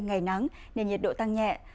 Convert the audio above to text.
ngày nắng nên nhiệt độ tăng nhẹ